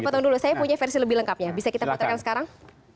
saya potong dulu saya punya versi lebih lengkapnya bisa kita potongkan sekarang